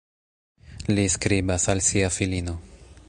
Li skribas al sia filino.